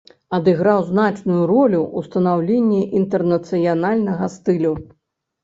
Адыграў значную ролю ў станаўленні інтэрнацыянальнага стылю.